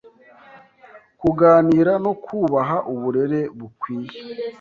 kuganira no kubaha uburere bukwiye